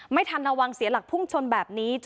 ไม่ทันระวังเสียหลักพุ่งชนแบบนี้